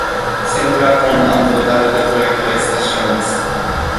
Cuenta con un total de cuatro estaciones.